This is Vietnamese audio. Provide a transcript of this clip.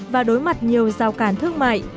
và đối mặt nhiều rào cản thương mại